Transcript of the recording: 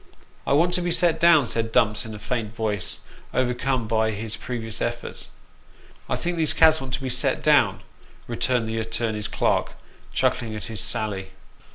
" I want to be set down !" said Dumps in a faint voice, overcome by his previous efforts. " I think these cads want to be set down," returned the attorney's clerk, chuckling at his sally.